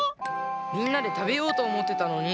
みんなでたべようとおもってたのに。